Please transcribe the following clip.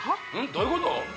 どういうこと？